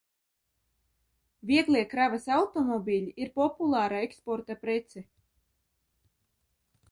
Vieglie kravas automobiļi ir populāra eksporta prece.